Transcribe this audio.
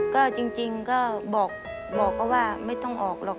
ก็จริงก็บอกก็ว่าไม่ต้องออกหรอก